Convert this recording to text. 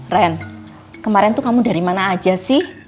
ren kemarin tuh kamu dari mana aja sih